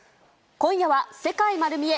今夜は世界まる見え！